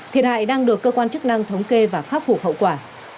thiệt hại đang được cơ quan chức năng thống kê và pháp hụt hậu quả